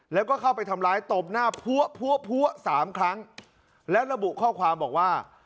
แล้วก็เข้าไปทำร้ายตบหน้าพัวพัวพัวสามครั้งและระบุข้อความบอกว่า